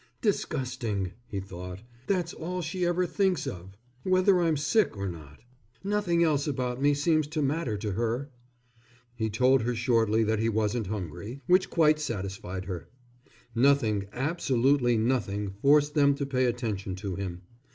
"Disgusting," he thought. "That's all she ever thinks of, whether I'm sick or not. Nothing else about me seems to matter to her." He told her shortly that he wasn't hungry, which quite satisfied her. Nothing, absolutely nothing forced them to pay attention to him.